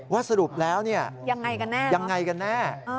ว่าสรุปแล้วยังไงกันแน่